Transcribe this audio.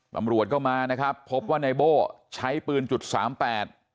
ตำรวจเข้ามานะครับพบว่าในโบ่ช่ายปืนจุดสามแปด